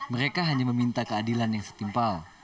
mereka hanya meminta keadilan yang setimpal